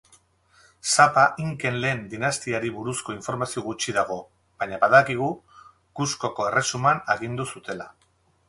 Sapa Inken lehen dinastiari buruzko informazio gutxi dago baina badakigu Cuskoko Erresuman agindu zutela.